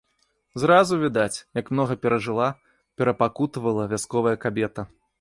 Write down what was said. Зразу відаць, як многа перажыла, перапакутавала вясковая кабета.